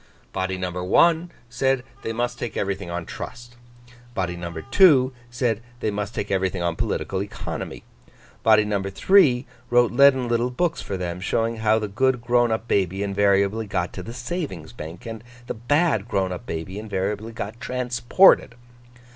Body number one, said they must take everything on trust. Body number two, said they must take everything on political economy. Body number three, wrote leaden little books for them, showing how the good grown up baby invariably got to the Savings bank, and the bad grown up baby invariably got transported.